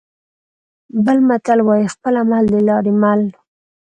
بل متل وايي: خپل عمل د لارې مل.